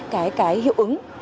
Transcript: cái hiệu quả